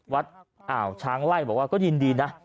วัดอ่าวช้างไล่บอกว่าก็ยินดีนะ